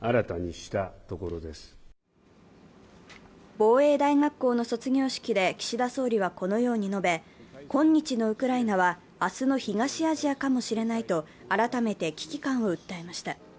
防衛大学校の卒業式で岸田総理はこのように述べ、今日のウクライナは明日の東アジアかもしれないと改めて危機感を訴えました。